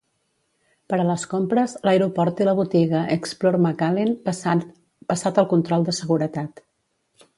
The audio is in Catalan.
Per a les compres, l'aeroport té la botiga Explore McAllen passat el control de seguretat.